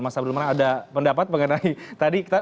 mas abdul mana ada pendapat mengenai tadi